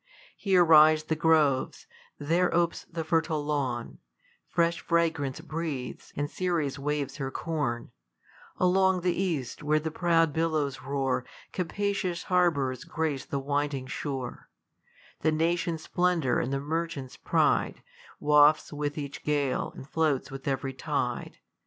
Here rise the groves; there opes the hHUe lawn, Fresh fragrance breathes, and Ceres wn/es her corn Along the east, where the prouJ billows roar. Capacious harbours grace the winding shore : The nation's splendour and ihr merchant's pride VVafts with each gale, and floats with ev'ry tide.